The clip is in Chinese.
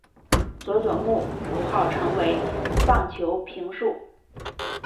佐佐木主浩成为棒球评述。